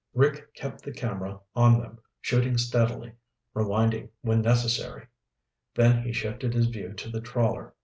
Rick kept the camera on them, shooting steadily, rewinding when necessary. Then he shifted his view to the trawler.